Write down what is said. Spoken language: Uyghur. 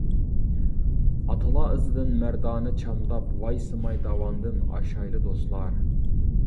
ئاتىلار ئىزىدىن مەردانە چامداپ، ۋايسىماي داۋاندىن ئاشايلى دوستلار.